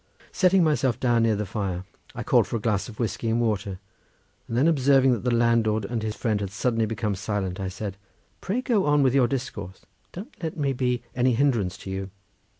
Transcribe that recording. Setting myself down near the fire I called for a glass of whiskey and water, and then observing that the landlord and his friend had suddenly become silent, I said, "Pray go on with your discourse! Don't let me be any hindrance to you."